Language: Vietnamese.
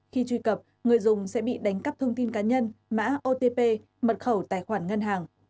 khi truy cập người dùng sẽ bị đánh cắp thông tin cá nhân mã otp mật khẩu tài khoản ngân hàng